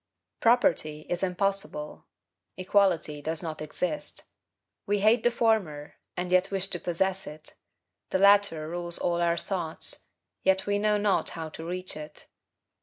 Property is impossible; equality does not exist. We hate the former, and yet wish to possess it; the latter rules all our thoughts, yet we know not how to reach it.